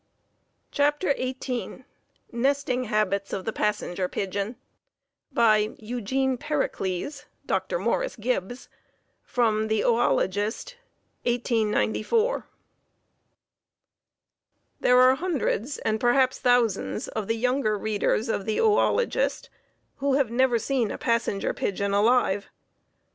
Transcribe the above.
] CHAPTER XVIII Nesting Habits of the Passenger Pigeon By Eugene Pericles (Dr. Morris Gibbs), from "The Oölogist, 1894." There are hundreds and perhaps thousands of the younger readers of The Oölogist who have never seen a Passenger Pigeon alive.